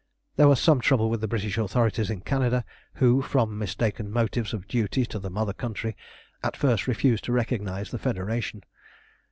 There was some trouble with the British authorities in Canada, who, from mistaken motives of duty to the mother country, at first refused to recognise the Federation.